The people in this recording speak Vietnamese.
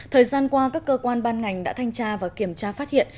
thời gian qua các cơ quan ban ngành đã thanh tra và kiểm tra phát hiện